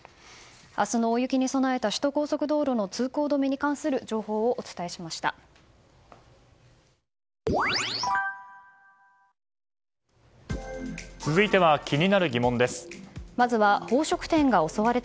明日の大雪に備えた首都高速道路の通行止めに関する情報をお伝えしました。